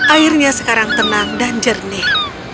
airnya sekarang tenang dan jernih